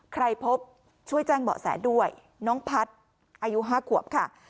ใครพบช่วยแจ้งเบาะแสด้วยน้องพัฒน์อายุ๕ขวบค่ะ